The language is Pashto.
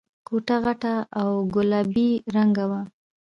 کوټه غټه او گلابي رنګه وه.